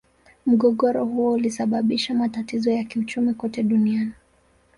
Mgogoro huo ulisababisha matatizo ya kiuchumi kote duniani.